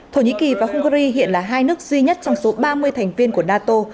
thổ nhĩ kỳ và hungary hiện là hai nước duy nhất trong số ba mươi thành viên của nato